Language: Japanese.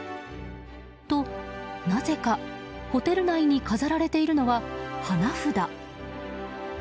と、なぜかホテル内に飾られているのは花札。